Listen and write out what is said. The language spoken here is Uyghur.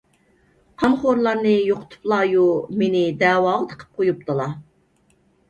قانخورلارنى يوقىتىپلايۇ، مېنى دەۋاغا تىقىپ قويۇپتىلا.